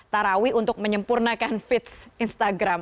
tarawih untuk menyempurnakan feeds instagram